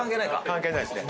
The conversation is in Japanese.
関係ないですね。